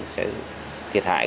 sẽ thiệt hại